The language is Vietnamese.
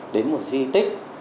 đến một di tích